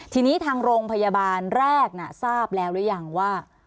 ทีนี้ทางโรงพยาบาลแรกทราบแล้วหรือยังว่า